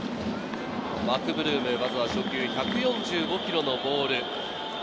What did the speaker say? マクブルームへ、まずは初球１４５キロのボール。